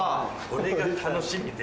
これが楽しみで。